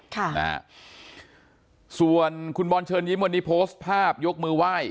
ค่ะนะฮะส่วนคุณบอลเชิญยิ้มวันนี้โพสต์ภาพยกมือไหว้